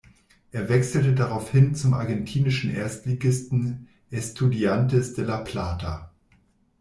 Er wechselte daraufhin zum argentinischen Erstligisten Estudiantes de La Plata.